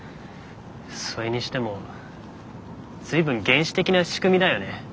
それにしても随分原始的な仕組みだよね。